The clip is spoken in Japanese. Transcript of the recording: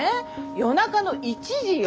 夜中の１時よ？